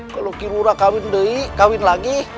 kalau hilurah kawin lagi